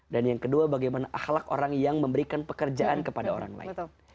dan yang kedua bagaimana ahlak orang yang memberikan pekerjaan kepada orang lain